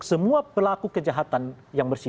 semua pelaku kejahatan yang bersih